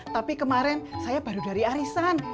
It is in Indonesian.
tapi kemarin saya baru dari arisan